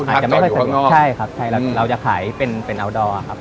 ไม่ได้สะดวกยอดออกให้ลงครับใช่ครับใช่และเราจะขายเป็นเป็นอัลดอร์ครับ